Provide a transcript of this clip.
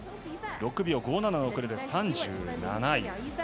６秒５７の遅れで３７位。